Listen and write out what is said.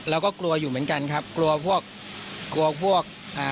เราก็กลัวอยู่เหมือนกันครับกลัวพวก